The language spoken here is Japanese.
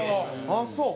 ああそう。